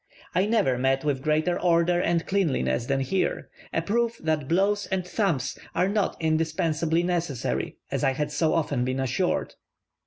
I never met with greater order and cleanliness than here a proof that blows and thumps are not indispensably necessary, as I had so often been assured.